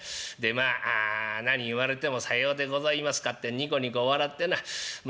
まあ何言われても『さようでございますか』ってニコニコ笑ってなま